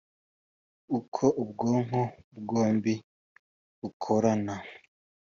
Uko ubwonko bwombi bukorana